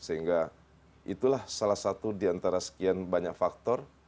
sehingga itulah salah satu diantara sekian banyak faktor